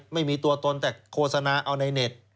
ไม่มีตัวตนแต่โฆษณาเอาในเน็ต